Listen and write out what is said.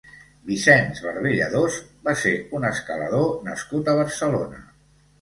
Vicenç Barbé Lladós va ser un escalador nascut a Barcelona.